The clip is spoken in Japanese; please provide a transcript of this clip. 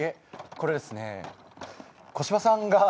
これですね小芝さんが。